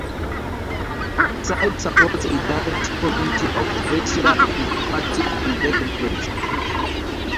The site supports a diverse community of terrestrial and aquatic invertebrates.